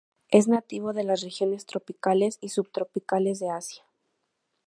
Es nativo de las regiones tropicales y subtropicales de Asia.